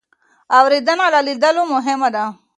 اورېدنه له لیدلو مهمه ده.